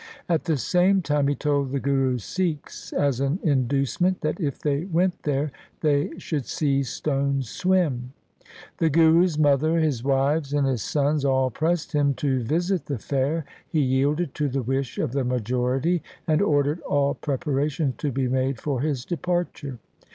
At the same time, he told the Guru's Sikhs as an inducement that if they went there they should see stones swim. The Guru's mother, his wives, and his sons all pressed him to visit the fair. He yielded to the wish of the majority, and ordered all preparations to be made for his departure.